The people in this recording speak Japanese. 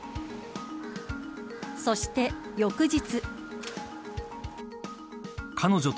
そして、翌日。